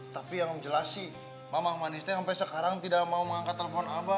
tapi yang jelas sih mamah manisnya sampai sekarang tidak mau mengangkat telepon apa